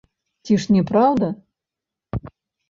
Ці ж не праўда?